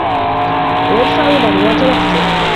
وَيَدْفَعَ ضَرُورَةَ وَقْتِهِ